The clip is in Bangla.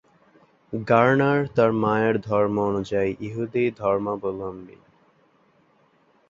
গার্নার তার মায়ের ধর্ম অনুযায়ী ইহুদি ধর্মাবলম্বী।